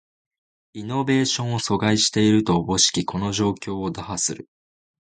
イノベーションを阻害していると思しきこの状況を打破する